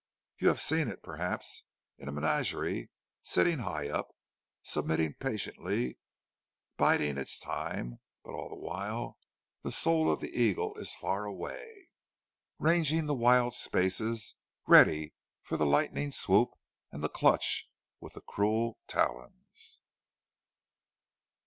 You have seen it, perhaps, in a menagerie; sitting high up, submitting patiently, biding its time. But all the while the soul of the eagle is far away, ranging the wide spaces, ready for the lightning swoop, and the clutch with the cruel talons!